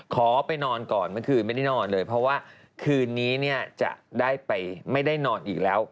ขอไปนอนก่อนเมื่อคืนไม่ได้นอนเลยเพราะว่าคืนนี้เนี่ยจะได้ไปไม่ได้นอนอีกแล้ว